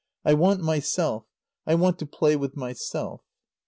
I want Myself. I want to play with Myself."